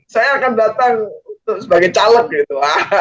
saya akan datang sebagai caleg gitu